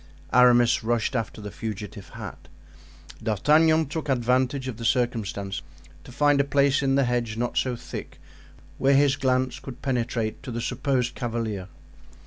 Aramis rushed after the fugitive hat. D'Artagnan took advantage of the circumstance to find a place in the hedge not so thick, where his glance could penetrate to the supposed cavalier.